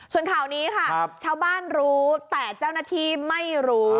ส่วนข่าวนี้ค่ะชาวบ้านรู้แต่เจ้าหน้าที่ไม่รู้